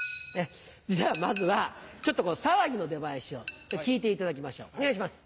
ではまずはちょっとこう『さわぎ』の出囃子を聴いていただきましょうお願いします。